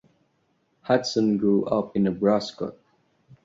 Hudson grew up in Nebraska.